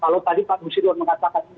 kalau tadi pak gus rirwan mengatakan